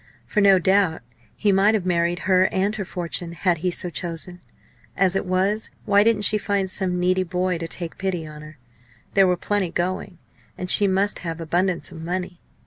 For, no doubt, he might have married her and her fortune had he so chosen. As it was, why didn't she find some needy boy to take pity on her? There were plenty going, and she must have abundance of money.